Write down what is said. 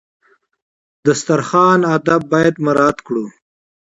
د دسترخوان آداب باید مراعات کړو.